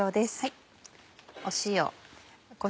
塩。